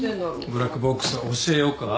ブラックボックス教えようか？